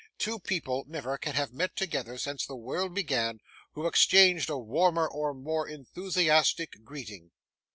Two people never can have met together since the world began, who exchanged a warmer or more enthusiastic greeting.